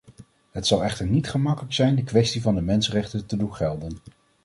Het zal echter niet gemakkelijk zijn de kwestie van de mensenrechten te doen gelden!